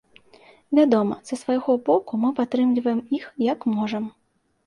Вядома, са свайго боку мы падтрымліваем іх як можам.